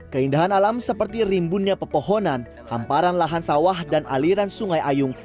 keindahan alam seperti rimbunnya pepohonan hamparan lahan sawah dan aliran sungai ayung